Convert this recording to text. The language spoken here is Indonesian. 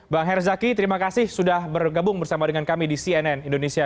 bang herzaki terima kasih sudah bergabung bersama dengan kami di cnn indonesia